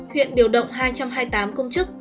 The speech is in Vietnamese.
huyện điều động hai trăm hai mươi tám công chức